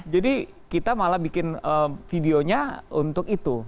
jadi kita malah bikin videonya untuk itu